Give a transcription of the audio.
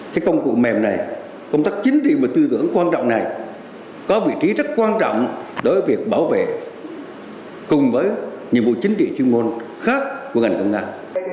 cái công cụ mềm này công tác chính trị và tư tưởng quan trọng này có vị trí rất quan trọng đối với việc bảo vệ cùng với nhiệm vụ chính trị chuyên môn khác của ngành công an